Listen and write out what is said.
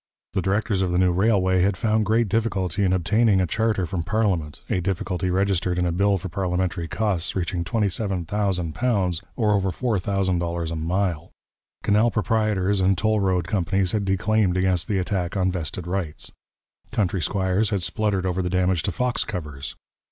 The directors of the new railway had found great difficulty in obtaining a charter from parliament a difficulty registered in a bill for parliamentary costs reaching £27,000, or over $4000 a mile. Canal proprietors and toll road companies had declaimed against the attack on vested rights. Country squires had spluttered over the damage to fox covers.